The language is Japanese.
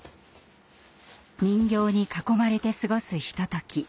人形に囲まれて過ごすひととき。